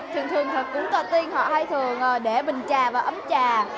thường thường cũng tỏa tiên họ hay thường để bình trà và ấm trà